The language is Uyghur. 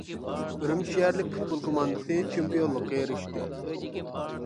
ئۈرۈمچى شەھەرلىك پۇتبول كوماندىسى چېمپىيونلۇققا ئېرىشتى.